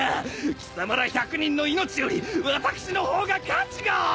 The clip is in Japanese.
貴様ら１００人の命より私の方が価値がある！